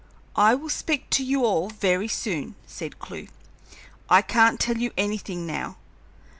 "I will speak to you all very soon," said Clewe. "I can't tell you anything now.